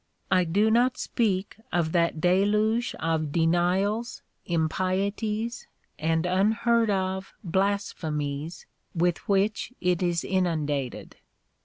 I do not speak of that deluge of denials, impieties, and unheard of blasphemies with which it is inundated.